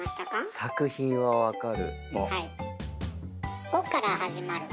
作品は分かる。